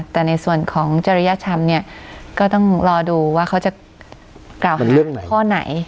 แต่ในส่วนของจริยธรรมเนี่ยก็ต้องรอดูว่าเขาจะเก่าหาข้อไหน